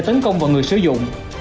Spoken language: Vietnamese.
và tấn công vào người sử dụng